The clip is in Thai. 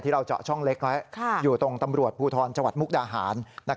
ที่เราเจาะช่องเล็กแล้วอยู่ตรงตำรวจภูทรจมุกดาหาร